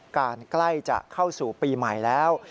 ใกล้จะเข้าสู่ปีใหม่แล้ว